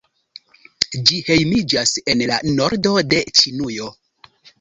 Ĝi hejmiĝas en la nordo de Ĉinujo.